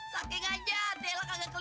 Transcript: saking aja ella kagak kelihatan